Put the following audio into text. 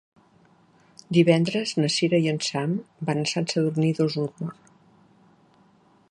Divendres na Sira i en Sam van a Sant Sadurní d'Osormort.